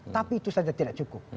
tapi itu saja tidak cukup